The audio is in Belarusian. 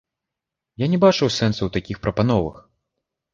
Я не бачу сэнсу ў такі прапановах.